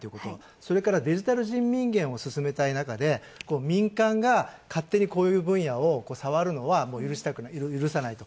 それからデジタル人民元を進めたい中で民間が勝手にこういう分野を触るのは許さないと。